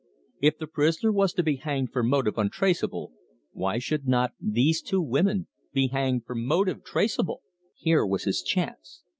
If the prisoner was to be hanged for motive untraceable, why should not these two women be hanged for motive traceable! Here was his chance.